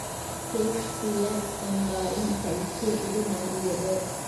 Shakespeare என்பாரின் கைக்கு இது மாறியது.